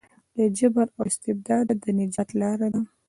له جبر او استبداده د نجات لاره ده.